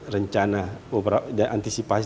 rencana dan antisipasi